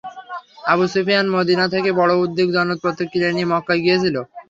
Abu Sufyan Medina থেকে বড় উদ্বেগজনক প্রতিক্রিয়া নিয়ে মক্কায় গিয়েছিল।